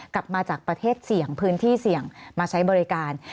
กลับมาจากประเทศเสี่ยงพื้นที่เสี่ยงมาใช้บริการ